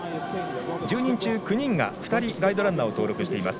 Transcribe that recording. １０人中９人が２人ガイドランナーを登録しています。